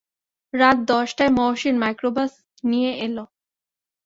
রাত দশটায় মহসিন মাইক্রোবাস নিয়ে এল।